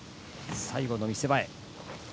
最後の見せ場へ。